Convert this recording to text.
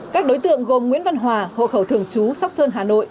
các đối tượng gồm nguyễn văn hòa hộ khẩu thường chú sóc sơn hà nội